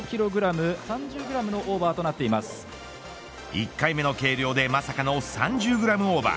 １回目の計量でまさかの３０グラムオーバー。